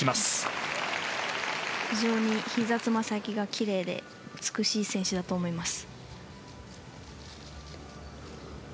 非常にひざ、つま先がきれいで美しい静止だと思います。